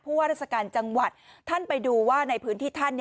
ว่าราชการจังหวัดท่านไปดูว่าในพื้นที่ท่าน